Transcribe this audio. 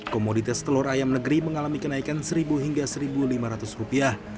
komoditas telur ayam negeri mengalami kenaikan seribu hingga rp satu lima ratus rupiah